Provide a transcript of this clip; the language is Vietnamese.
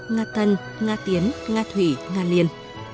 nga tân nga tiến nga thủy nga liền